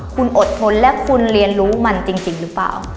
คุณอดทนและคุณเรียนรู้มันจริงหรือเปล่า